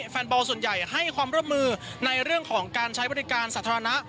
แฟนบอลส่วนใหญ่ให้ความร่วมมือในเรื่องของการใช้บริการสาธารณะ